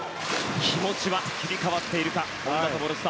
気持ちは切り替わっているか本多灯。